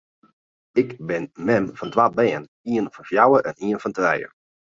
Ik bin mem fan twa bern, ien fan fjouwer en ien fan trije.